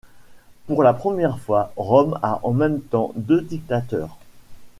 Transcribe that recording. Pour la première fois Rome a en même temps deux dictateurs.